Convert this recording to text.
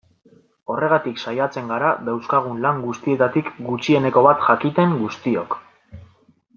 Horregatik saiatzen gara dauzkagun lan guztietatik gutxieneko bat jakiten guztiok.